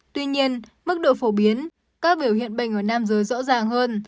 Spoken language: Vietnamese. tuy nhiên mức độ phổ biến các biểu hiện bệnh ở nam giới rõ ràng hơn